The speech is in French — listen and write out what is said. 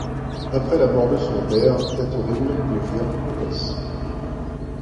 Après la mort de son père, Catherine devient comtesse.